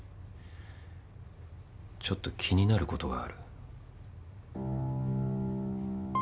ちょっと気になることがある。